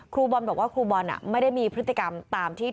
ครูบอลบอกว่าครูบอลน่ะไม่ได้มีพฤติกรรมตามที่ถูกร้องเรียนมา